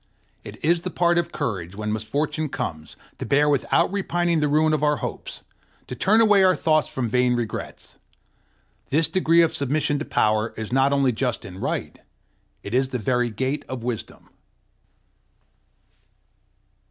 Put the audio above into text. It is the part of courage, when misfortune comes, to bear without repining the ruin of our hopes, to turn away our thoughts from vain regrets. This degree of submission to Power is not only just and right: it is the very gate of wisdom.